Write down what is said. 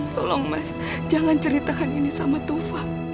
tolong mas jangan ceritakan ini sama tufa